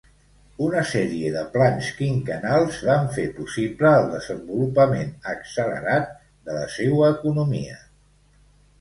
Una sèrie de plans quinquennals van fer possible el desenvolupament accelerat de la seua economia.